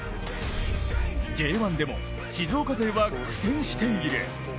Ｊ１でも静岡勢は苦戦している。